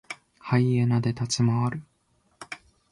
ハイエナで立ち回る。